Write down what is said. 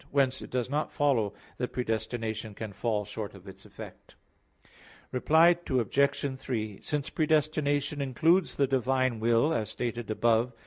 Whence it does not follow that predestination can fall short of its effect. Reply Obj. 3: Since predestination includes the divine will as stated above (A.